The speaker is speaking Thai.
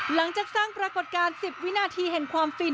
หลังจากสร้างปรากฏการณ์๑๐วินาทีแห่งความฟิน